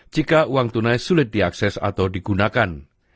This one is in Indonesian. jika uang tunai sulit diakses atau digunakan